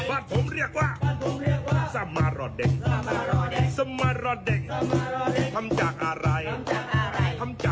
อุ้ยชอบอ่ะ